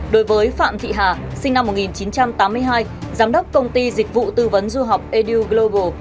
đối với phạm thị hà sinh năm một nghìn chín trăm tám mươi hai giám đốc công ty dịch vụ tư vấn du học eduglobal